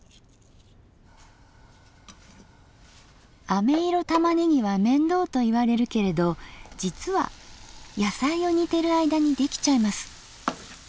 あめ色たまねぎは面倒といわれるけれど実は野菜を煮てる間にできちゃいます。